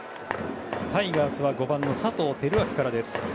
タイガースは５番の佐藤輝明からです。